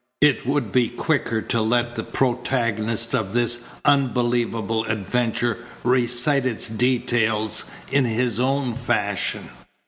It would be quicker to let the protagonist of this unbelievable adventure recite its details in his own fashion.